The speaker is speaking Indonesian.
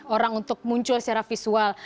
orang untuk muncul secara visual